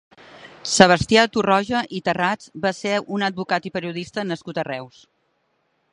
Sebastià Torroja i Tarrats va ser un advocat i periodista nascut a Reus.